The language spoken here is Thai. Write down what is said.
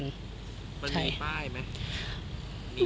มันมีป้ายมั้ย